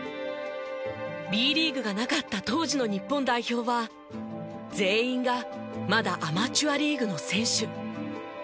Ｂリーグがなかった当時の日本代表は全員がまだアマチュアリーグの選手。